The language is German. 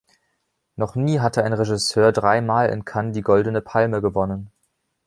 Noch nie hatte ein Regisseur drei Mal in Cannes die Goldene Palme gewonnen.